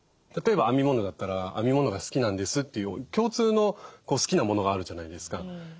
例えば編み物だったら「編み物が好きなんです」っていう共通の好きなものがあるじゃないですか。